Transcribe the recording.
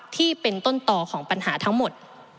ที่เป็นต้นต่อของปัญหาทั้งหมด